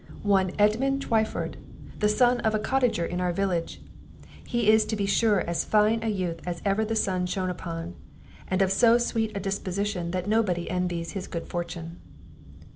"One Edmund Twyford, the son of a cottager in our village; he is to be sure as fine a youth as ever the sun shone upon, and of so sweet a disposition that nobody envies his good fortune."